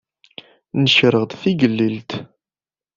Nekreɣ-d d tigellilt.